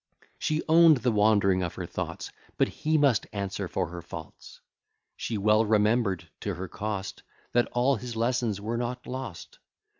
She own'd the wandering of her thoughts; But he must answer for her faults. She well remember'd to her cost, That all his lessons were not lost.